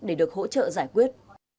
để được hỗ trợ giải quyết